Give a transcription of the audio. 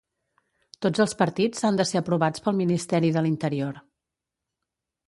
Tots els partits han de ser aprovats pel Ministeri de l'Interior.